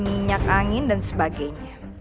minyak angin dan sebagainya